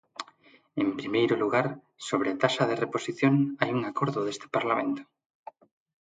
En primeiro lugar, sobre a taxa de reposición, hai un acordo deste Parlamento.